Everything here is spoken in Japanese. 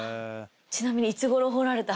ちなみに。